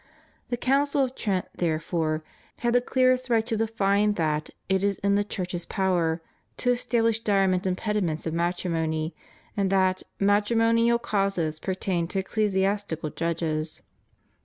The Council of Trent, therefore, had the clearest right to define that it is in the Church's power "to establish diriment impedi ments of matrimony," and that "matrimonial causes pertain to ecclesiastical judges."